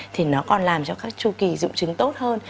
thì nó còn làm cho các chu kỳ dụng chứng tốt hơn